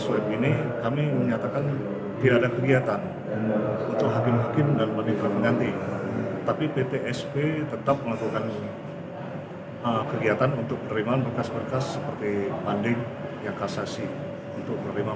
seperti banding kasasi untuk menerima pelayanan masyarakat